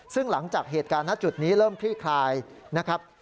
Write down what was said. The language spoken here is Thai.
ซึ่งหลังจากเหตุการณ์ณจุดนี้เริ่มคลี่คลายนะครับ